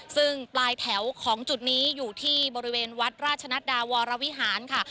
ซึ่งปลายแถวของจุดนี้อยู่ที่บริเวณวัดราชนัดดาวรวิหารค่ะ